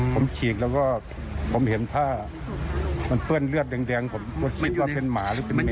ผมฉีกแล้วก็ผมเห็นผ้ามันเปื้อนเลือดแดงผมก็คิดว่าเป็นหมาหรือเป็นแมว